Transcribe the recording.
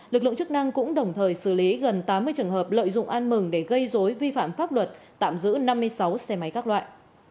lực lượng chức năng cũng đồng thời xử lý gần tám mươi trường hợp lợi dụng an mừng để gây dối vi phạm pháp luật tạm giữ năm mươi sáu xe máy các loại